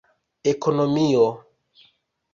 ekonomio